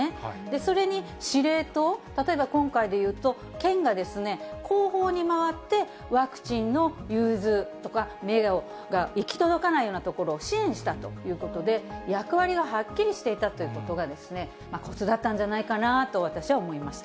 それに司令塔、例えば今回で言うと、県が後方に回って、ワクチンの融通とか、目が行き届かない所を支援したということで、役割がはっきりしていたということが、こつだったんじゃないかなと私は思いました。